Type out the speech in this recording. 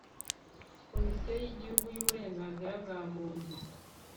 komisiyo y'igihugu y'uburenganzira bwa muntu